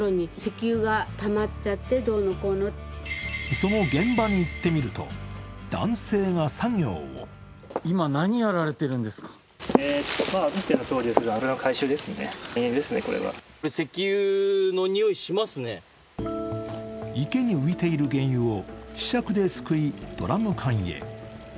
その現場に行ってみると、男性が作業を池に浮いている原油をひしゃくですくい、ドラム缶へ。